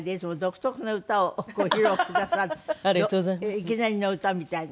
いきなりの歌みたいな。